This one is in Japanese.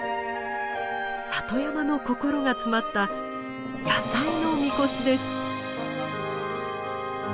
里山の心が詰まった野菜の神輿です。